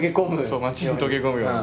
そう街に溶け込むように。